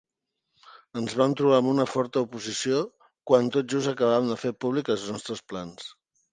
Ens vam trobar amb una forta oposició quan tot just acabàvem de fer públic els nostres plans.